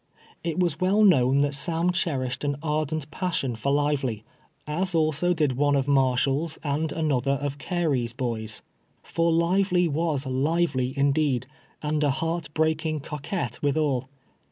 It was well known that Sam cher ished an ardent passion for Lively, as also did one of Marshall's and another of Carey's hoys ; for Li\'ely was lively indeed, and a heart breaking coquette with al.